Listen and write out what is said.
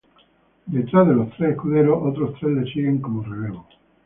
Detrás de los tres escuderos, otros tres les siguen como relevo.